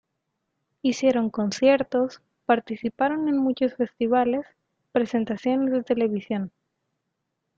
Hicieron conciertos, participaron en muchos festivales, presentaciones de televisión.